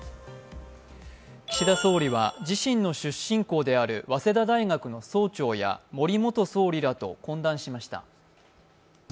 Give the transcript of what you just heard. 岸田総理は、自身の出身校である早稲田大学の総長や森元総理らと懇談しました。